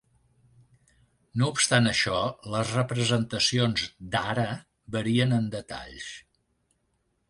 No obstant això, les representacions d'Ara varien en detalls.